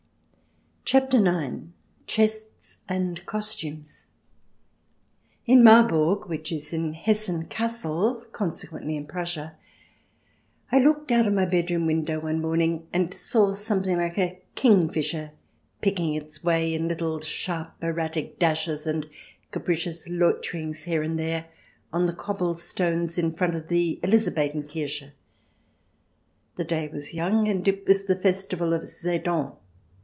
CHAPTER IX CHESTS AND COSTUMES In Marburg, which is in Hessen Cassel, consequently in Prussia, I looked out of my bedroom window one morning and saw something like a kingfisher pick ing its way, in little sharp erratic dashes and capri cious loiterings here and there, on the cobblestones in front of the Elizabethen Kirche. The day was young, and it was the festival of Sedan.